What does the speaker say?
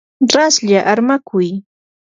raslla armakuy.